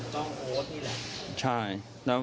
มันน่าจะจ้องโอ๊ตนี่แหละ